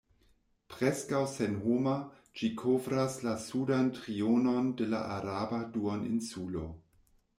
Preskaŭ senhoma, ĝi kovras la sudan trionon de la Araba duoninsulo.